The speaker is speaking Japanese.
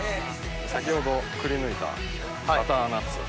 先ほどくりぬいたバターナッツを。